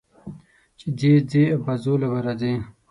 چې ځې، ځې ابازوی ته به راځې.